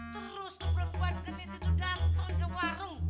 terus tuh perempuan genit itu dateng ke warung